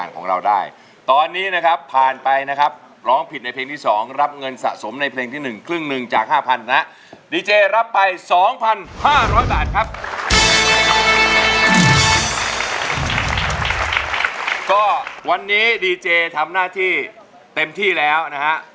ก็วันนี้ดีเจทำหน้าที่เต็มที่แล้วนะฮะ